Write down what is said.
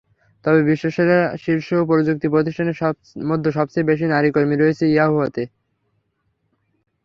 তবে বিশ্বসেরা শীর্ষ প্রযুক্তি প্রতিষ্ঠানের মধ্যে সবচেয়ে বেশি নারী কর্মী রয়েছে ইয়াহুতে।